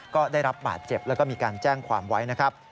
ก็ได้รับบาดเจ็บและมีการแจ้งความไว้